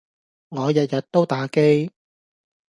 我日日都打機